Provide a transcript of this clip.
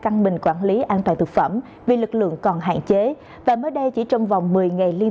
căng mình quản lý an toàn thực phẩm vì lực lượng còn hạn chế và mới đây chỉ trong vòng một mươi ngày liên